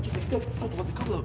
ちょっと待って角度。